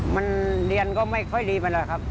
มันเรียนก็ไม่ค่อยดีไปแล้วครับ